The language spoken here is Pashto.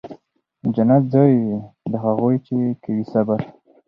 جنت ځای وي د هغو چي کوي صبر